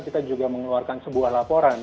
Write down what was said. kita juga mengeluarkan sebuah laporan